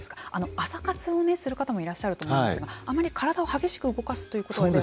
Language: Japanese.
朝活をする方もいらっしゃると思うんですがあまり体を激しく動かすということはでは？